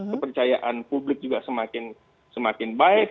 kepercayaan publik juga semakin baik